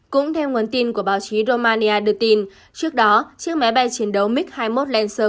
cũng theo nguồn tin của báo chí romania đưa tin trước đó chiếc máy bay chiến đấu mig hai mươi một lensur